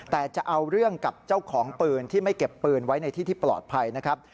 แต่จะเอาเรื่องกับเจ้าของปืนที่ไม่เก็บปืนไว้ในที่ที่ปลอดภัยนะครับ